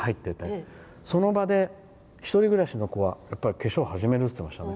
そうするとその場で、１人暮らしの子はやっぱり化粧を始めるって言ってましたね。